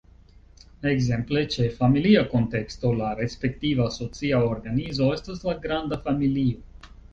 Ekzemple, ĉe familia kunteksto la respektiva socia organizo estas la granda familio.